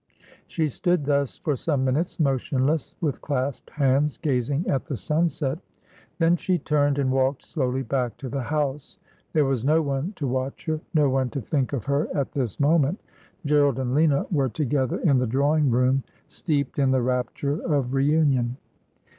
She stood thus for some minutes motionless, with clasped hands, gazing at the sunset. Then she turned and walked slowly back to the house. There was no one to watch her, no one to think of her at this moment. Gerald and Lina were together in the drawing room, steeped in the rapture of re union.